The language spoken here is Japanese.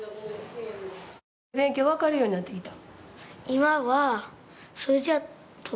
勉強、分かるようになってきた？